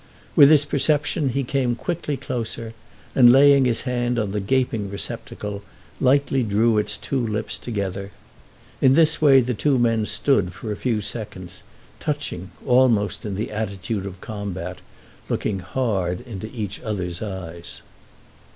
With this perception he came quickly closer and, laying his hand on the gaping receptacle, lightly drew its two lips together. In this way the two men stood for a few seconds, touching, almost in the attitude of combat, looking hard into each other's eyes.